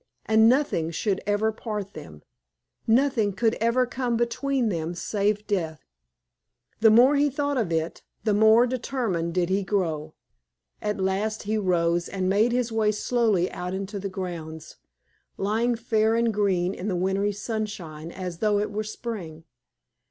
And nothing should ever part them, nothing could ever come between them save death. The more he thought of it the more determined did he grow. At last he rose and made his way slowly out into the grounds, lying fair and green in the wintry sunshine as though it were spring.